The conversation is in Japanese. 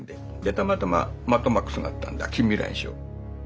たまたま「マッドマックス」があったんで近未来にしよう。